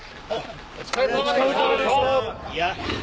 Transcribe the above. お疲れさまでした。